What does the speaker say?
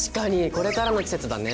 これからの季節だね。